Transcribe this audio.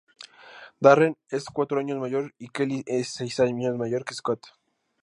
Darren es cuatro años mayor y Kelly es seis años mayor que Scott.